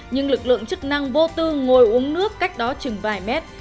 nhưng lực lượng chức năng vô tư ngồi uống nước cách đó chừng vài mét